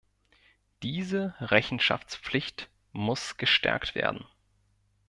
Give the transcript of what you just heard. Diese Rechenschaftspflicht muss gestärkt werden.